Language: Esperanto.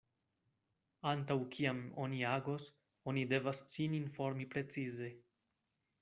Antaŭ kiam oni agos, oni devas sin informi precize.